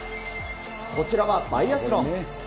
こちらはバイアスロン。